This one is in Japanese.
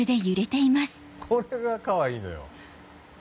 これがかわいいのよ。